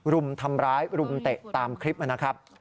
รุมทำร้ายรุมเตะตามคลิปนะครับ